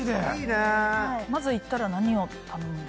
まず行ったら何を頼む？